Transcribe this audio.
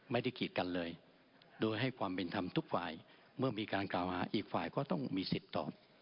ไม่ถูกกัดเลยด้วยให้ความเป็นธรรมทุกฝ่ายเมื่อมีการกาวฮาอีกฝ่ายก็ต้องมีศิษฐ์ตอบ